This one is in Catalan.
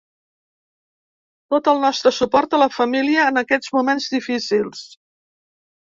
Tot el nostre suport a la família en aquests moments difícils.